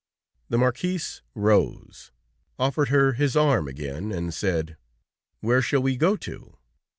The Marquis rose, offered her his arm again, and said: "Where shall we go to?"